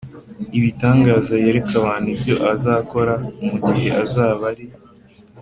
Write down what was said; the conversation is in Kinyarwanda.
ibitangaza yereke abantu ibyo azakora mu gihe azaba ari